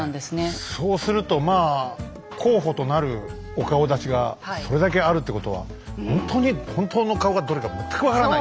そうするとまあ候補となるお顔だちがそれだけあるってことはほんとに本当の顔がどれか全く分からない。